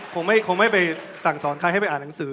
คงไม่ไปสั่งสอนใครให้ไปอ่านหนังสือ